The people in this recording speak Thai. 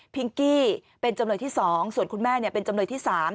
กี้เป็นจำเลยที่๒ส่วนคุณแม่เป็นจำเลยที่๓